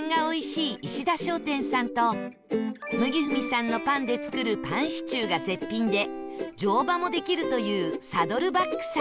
いしだ商店さんと麦踏さんのパンで作るパンシチューが絶品で乗馬もできるというサドルバックさん